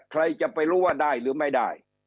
ใครจะไปรู้ว่าได้หรือไม่ได้